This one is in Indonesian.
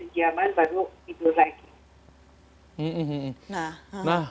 jadi perlu kasih waktu mungkin sejaman